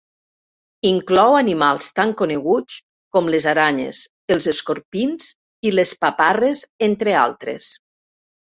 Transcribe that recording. Inclou animals tan coneguts com les aranyes, els escorpins i les paparres, entre altres.